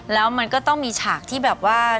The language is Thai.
แล้วมันก็ต้องมีฉากที่แบบว่า